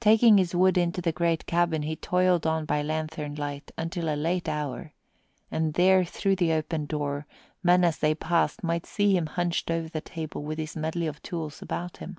Taking his work into the great cabin, he toiled on by lanthorn light until a late hour, and there through the open door men as they passed might see him hunched over the table with his medley of tools about him.